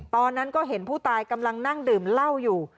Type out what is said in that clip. ตอนนั้นก็เห็นผู้ตายกำลังนั่งดื่มเหล้าอยู่